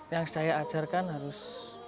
yang saya ajarkan harus